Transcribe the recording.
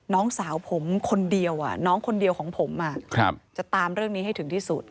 น้องสาวผมคนเดียวน้องคนเดียวของผมจะตามเรื่องนี้ให้ถึงที่สุด